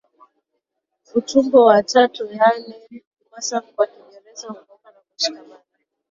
Utumbo wa tatu yaani omasum kwa Kiingereza hukauka na kushikamana